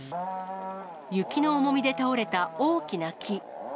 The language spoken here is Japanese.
雪の重みで倒れた大きな木。